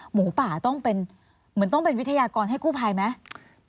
หมูป่าเหมือนต้องเป็นวิทยากรให้คู่ภัยไหม